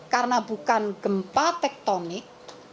karena bukan gempa tektonik